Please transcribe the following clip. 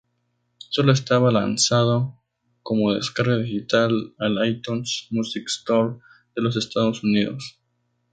Solo estaba lanzado como descarga digital al iTunes Music Store de los Estados Unidos.